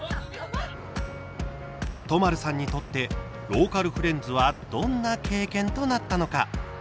都丸さんにとってローカルフレンズはどんな経験となったのか。